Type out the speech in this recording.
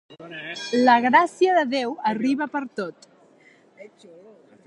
La gràcia de Déu arriba per tot.